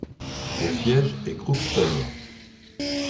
Son siège est Crookston.